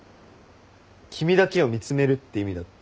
君だけを見つめるって意味だって。